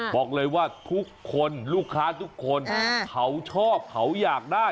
บอกเลยว่าทุกคนลูกค้าทุกคนเขาชอบเขาอยากได้